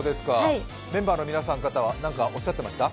メンバーの皆さん方は何かおっしゃってました？